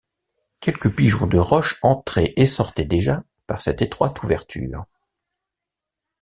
Quelques pigeons de roche entraient et sortaient déjà par cette étroite ouverture.